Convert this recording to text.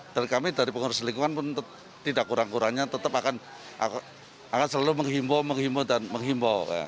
kami dari pengurus lingkungan pun tidak kurang kurangnya tetap akan selalu menghimbau menghimbau dan menghimbau